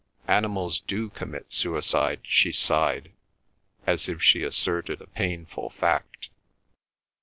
"Animals do commit suicide," she sighed, as if she asserted a painful fact.